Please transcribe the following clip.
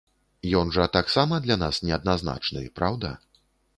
Ён жа таксама для нас неадназначны, праўда?